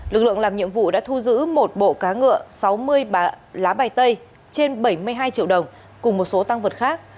lực lượng làm nhiệm vụ đã thu giữ một bộ cá ngựa sáu mươi lá bài tay trên bảy mươi hai triệu đồng cùng một số tăng vật khác